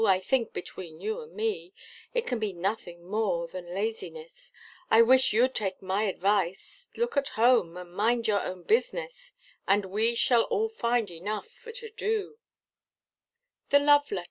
I think between you and me, It can be nothing more than laziness, I wish you'd take my advice, Look at home and mind your own business, And we shall all find enough for to do.